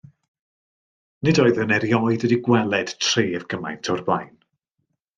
Nid oeddwn erioed wedi gweled tref gymaint o'r blaen.